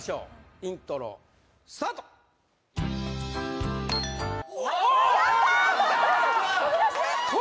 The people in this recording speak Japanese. イントロスタート・やった！